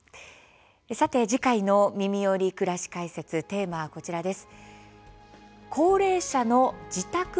さて、次回の「みみより！くらし解説」テーマは、こちらです。